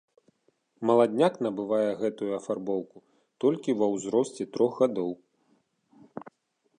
Маладняк набывае гэтую афарбоўку толькі ва ўзросце трох гадоў.